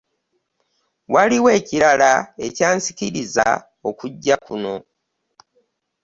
Waliwo ekirala ekyansikiriza okujja kuno.